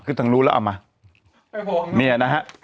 ขึ้นทางรูแล้วเอามา